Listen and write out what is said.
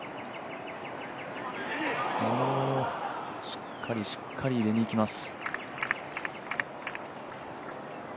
しっかりしっかり入れにいきます。